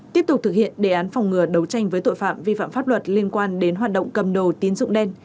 tiếp tục thực hiện đề án phòng ngừa đấu tranh với tội phạm vi phạm pháp luật liên quan đến hoạt động cầm đồ tiến dụng đen